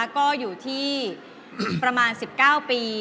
ก็อยู่ที่ประมาณ๑๙ปี